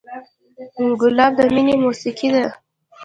ګلاب د مینې موسیقي ده.